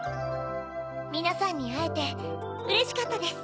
みなさんにあえてうれしかったです。